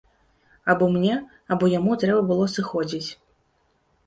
Або мне, або яму трэба было сыходзіць.